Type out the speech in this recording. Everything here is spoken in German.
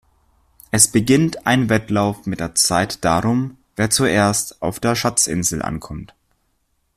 Es beginnt ein Wettlauf mit der Zeit darum, wer zuerst auf der Schatzinsel ankommt.